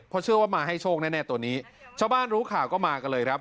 เพราะเชื่อว่ามาให้โชคแน่ตัวนี้ชาวบ้านรู้ข่าวก็มากันเลยครับ